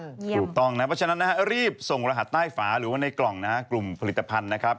เพราะฉะนั้นรีบส่งรหัสใต้ฝาหรือว่าในกล่องกลุ่มผลิตภัณฑ์นะครับ